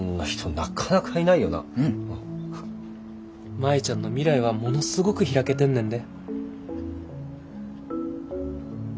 舞ちゃんの未来はものすごく開けてんねんで。